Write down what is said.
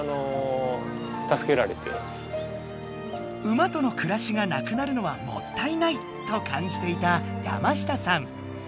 「馬との暮らしがなくなるのはもったいない」とかんじていた山下さん。